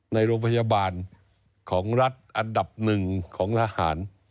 ในโรงพยาบาลของรัฐอันดับหนึ่งของทหาร